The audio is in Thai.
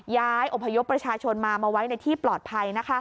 ย้ายอพยพประชาชนมามาไว้ในที่ปลอดภัย